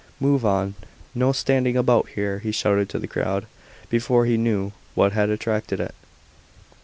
"Move on. No standing about here," he shouted to the crowd, before he knew what had attracted it.